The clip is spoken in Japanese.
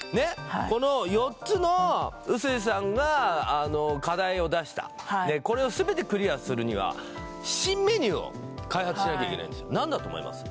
この４つの臼井さんが課題を出したこれを全てクリアするには新メニューを開発しなきゃいけないんです何だと思います？